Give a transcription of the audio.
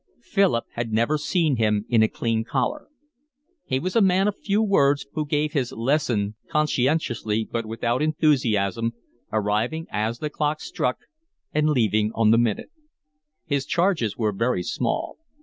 Philip had never seen him in a clean collar. He was a man of few words, who gave his lesson conscientiously but without enthusiasm, arriving as the clock struck and leaving on the minute. His charges were very small.